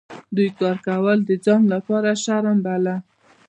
دوی کار کول د ځان لپاره شرم باله.